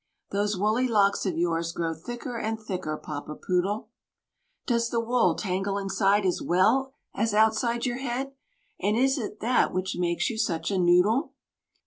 Those woolly locks of yours grow thicker and thicker, Papa Poodle. Does the wool tangle inside as well as outside your head? and is it that which makes you such a noodle?